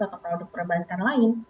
atau produk perbaikan lain